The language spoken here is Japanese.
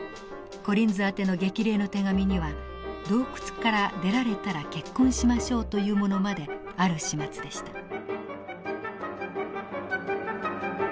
コリンズ宛ての激励の手紙には「洞窟から出られたら結婚しましょう」というものまである始末でした。